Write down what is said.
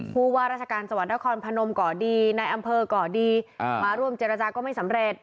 ผู้ว่าราชการจังหวัดนครพนมก่อดีในอำเภอก่อดีมาร่วมเจรจาก็ไม่สำเร็จ